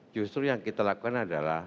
justru yang kita lakukan adalah